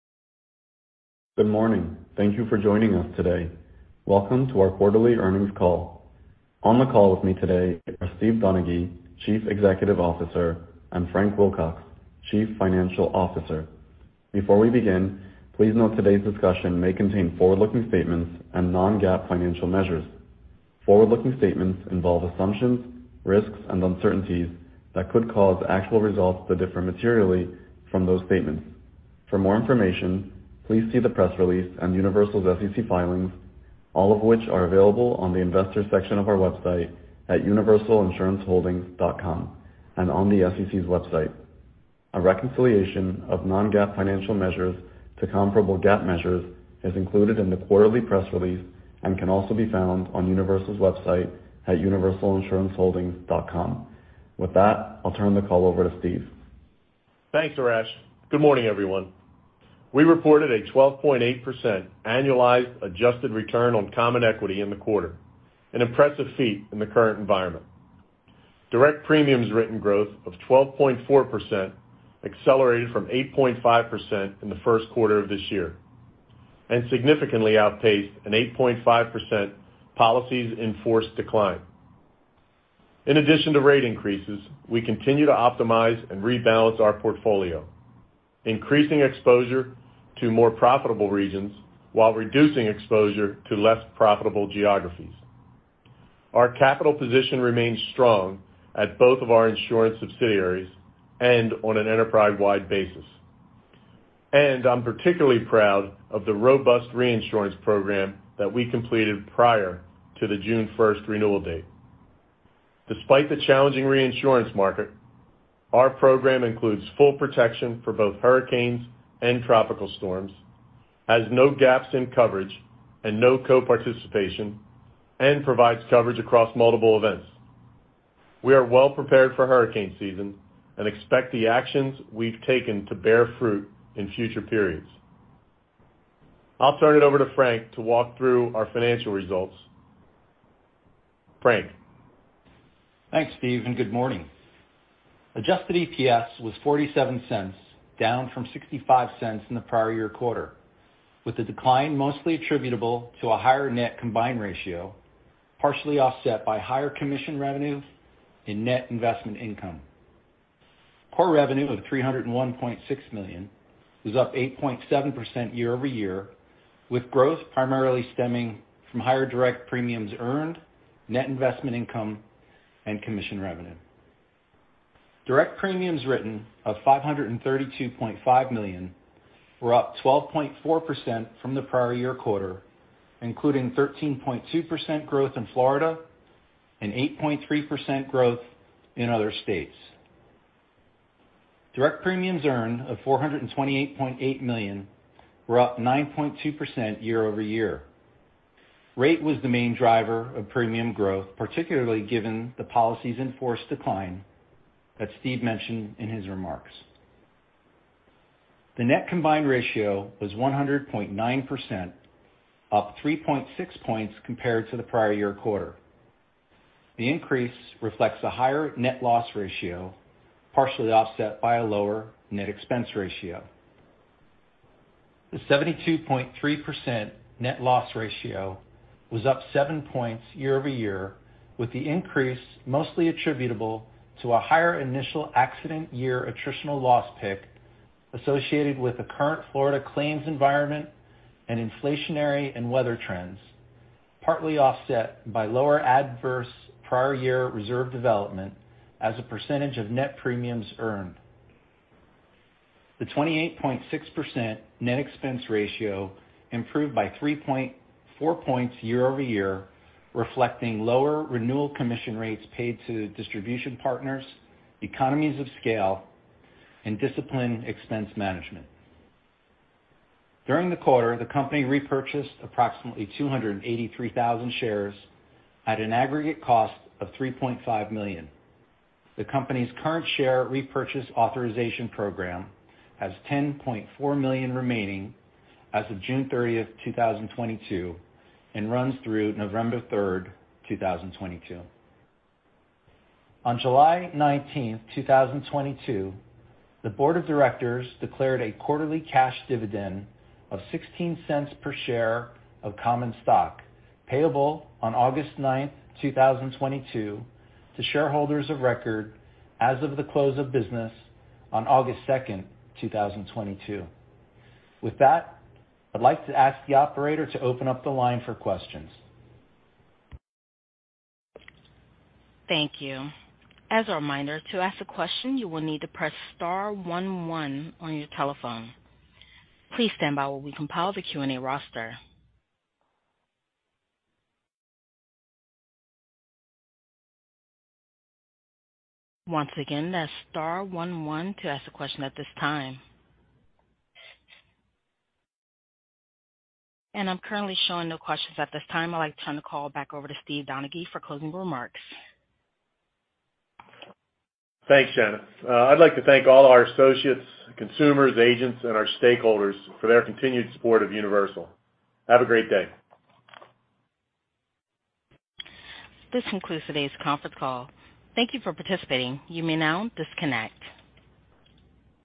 Good morning. Thank you for joining us today. Welcome to our quarterly earnings call. On the call with me today are Steve Donaghy, Chief Executive Officer, and Frank Wilcox, Chief Financial Officer. Before we begin, please note today's discussion may contain forward-looking statements and non-GAAP financial measures. Forward-looking statements involve assumptions, risks and uncertainties that could cause actual results to differ materially from those statements. For more information, please see the press release on Universal's SEC filings, all of which are available on the investor section of our website at universalinsuranceholdings.com and on the SEC's website. A reconciliation of non-GAAP financial measures to comparable GAAP measures is included in the quarterly press release and can also be found on Universal's website at universalinsuranceholdings.com. With that, I'll turn the call over to Steve. Thanks, Arash. Good morning, everyone. We reported a 12.8% annualized adjusted return on common equity in the quarter, an impressive feat in the current environment. Direct premiums written growth of 12.4% accelerated from 8.5% in the first quarter of this year, and significantly outpaced an 8.5% policies in force decline. In addition to rate increases, we continue to optimize and rebalance our portfolio, increasing exposure to more profitable regions while reducing exposure to less profitable geographies. Our capital position remains strong at both of our insurance subsidiaries and on an enterprise-wide basis. I'm particularly proud of the robust reinsurance program that we completed prior to the June 1st renewal date. Despite the challenging reinsurance market, our program includes full protection for both hurricanes and tropical storms, has no gaps in coverage and no co-participation, and provides coverage across multiple events. We are well prepared for hurricane season and expect the actions we've taken to bear fruit in future periods. I'll turn it over to Frank to walk through our financial results. Frank. Thanks, Steve, and good morning. Adjusted EPS was $0.47, down from $0.65 in the prior year quarter, with the decline mostly attributable to a higher net combined ratio, partially offset by higher commission revenue and net investment income. Core revenue of $301.6 million was up 8.7% year-over-year, with growth primarily stemming from higher direct premiums earned, net investment income, and commission revenue. Direct premiums written of $532.5 million were up 12.4% from the prior year quarter, including 13.2% growth in Florida and 8.3% growth in other states. Direct premiums earned of $428.8 million were up 9.2% year-over-year. Rate was the main driver of premium growth, particularly given the policies in force decline that Steve mentioned in his remarks. The net combined ratio was 100.9%, up 3.6 points compared to the prior-year quarter. The increase reflects a higher net loss ratio, partially offset by a lower net expense ratio. The 72.3% net loss ratio was up 7 points year-over-year, with the increase mostly attributable to a higher initial accident year attritional loss pick associated with the current Florida claims environment and inflationary and weather trends, partly offset by lower adverse prior year reserve development as a percentage of net premiums earned. The 28.6% net expense ratio improved by 3.4 points year-over-year, reflecting lower renewal commission rates paid to distribution partners, economies of scale, and disciplined expense management. During the quarter, the company repurchased approximately 283,000 shares at an aggregate cost of $3.5 million. The company's current share repurchase authorization program has 10.4 million remaining as of June 30th, 2022 and runs through November 3rd, 2022. On July 19th, 2022, the board of directors declared a quarterly cash dividend of $0.16 per share of common stock payable on August 9th, 2022 to shareholders of record as of the close of business on August 2nd, 2022. With that, I'd like to ask the operator to open up the line for questions. Thank you. As a reminder, to ask a question, you will need to press star one one on your telephone. Please stand by while we compile the Q&A roster. Once again, that's star one one to ask a question at this time. I'm currently showing no questions at this time. I'd like to turn the call back over to Steve Donaghy for closing remarks. Thanks, Janice. I'd like to thank all our associates, consumers, agents and our stakeholders for their continued support of Universal. Have a great day. This concludes today's conference call. Thank you for participating. You may now disconnect.